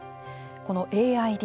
このＡＩＤ